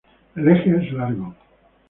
El eje es largo.